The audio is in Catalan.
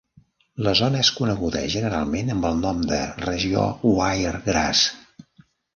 La zona és coneguda generalment amb el nom de regió Wiregrass.